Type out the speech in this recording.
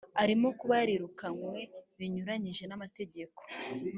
arimo kuba yarirukanywe binyuranyije n’amategeko